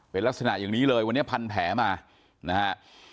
เป็นลักษณะอย่างนี้เลยวันนี้พันแผลมานะฮะ